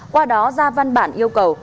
qua đó ra văn bản yêu cầu